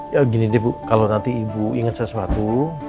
ya gini deh bu kalau nanti ibu inget sesuatu